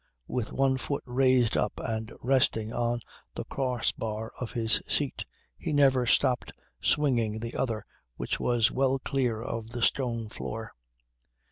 With one foot raised up and resting on the cross bar of his seat he never stopped swinging the other which was well clear of the stone floor.